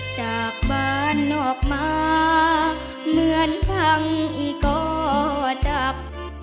จากบ้านนอกมาเหมือนฟังอีกก็จับ